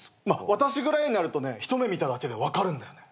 私ぐらいになるとね一目見ただけで分かるんだよね。